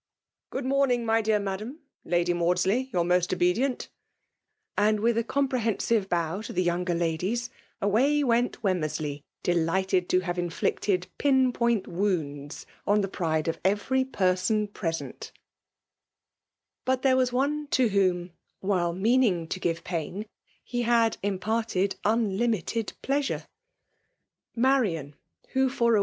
Good mornings, my dear Madam; Lady Mhuddey, your mostr obedient ;" and^ with a compre * honsivo bow to the younger ladiei^ away wemti Wonimenley, delighted to have inflicted pinV point woundb on the pride of every peraan ptesenti" Bwt; there was one to whom> while meaning to givepain> he had imparted mdimited pl6»> #^ro• Maiian, wBa for a T!